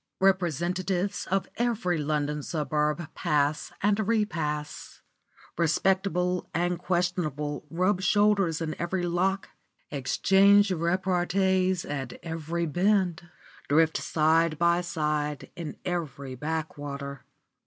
Representatives of every London suburb pass and repass; respectable and questionable rub shoulders in every lock, exchange repartees at every bend, drift side by side in every backwater.